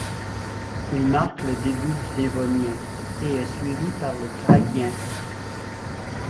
Il marque le début du Dévonien, et est suivi par le Praguien.